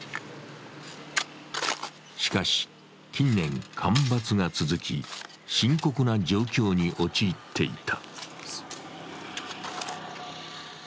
しかし、近年、干ばつが続き深刻な状況に陥っていた。